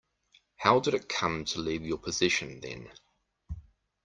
How did it come to leave your possession then?